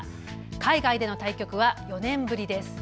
海外での対局は４年ぶりです。